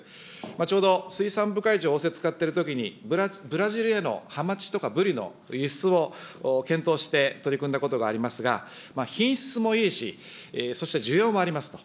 ちょうど水産部会長を仰せつかってるときに、ブラジルへのハマチとかブリの輸出を検討して取り組んだことがありますが、品質もいいし、そして需要もありますと。